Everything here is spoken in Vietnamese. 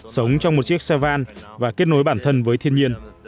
sống trong một chiếc xe van và kết nối bản thân với thiên nhiên